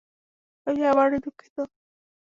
আমি আবারও দুঃখিত।